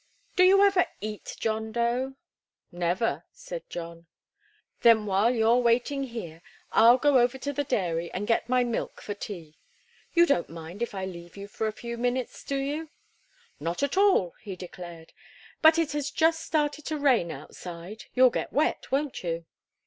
Do you ever eat, John Dough?" "Never," said John. "Then, while you're waiting here, I'll go over to the dairy and get my milk for tea. You don't mind if I leave you for a few minutes, do you?" "Not at all," he declared. "But it has just started to rain, outside; you'll get wet, won't you?"